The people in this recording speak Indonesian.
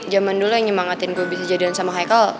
zaman dulu yang nyemangatin gue bisa jadian sama hicle